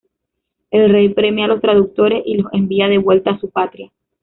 El rey premia a los traductores y los envía de vuelta a su patria.